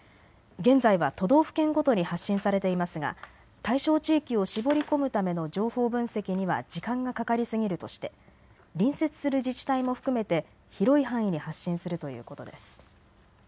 現在は都道府県ごとに発信されていますが、対象地域を絞り込むための情報分析には時間がかかりすぎるとして隣接する自治体も含めて広い範囲に発信するということです。